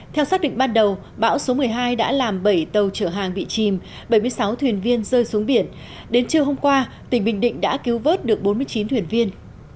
theo xác định ban đầu bão số một mươi hai đã làm bảy tàu chở hàng bị chìm bảy mươi sáu thuyền viên rơi xuống biển đến trưa hôm qua tỉnh bình định đã cứu vớt được bốn mươi chín thuyền viên